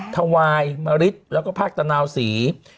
ธวายหมาฤทธิ์แล้วก็ภาคตนาวสี่